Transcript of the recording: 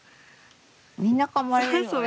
みんなかまれるよね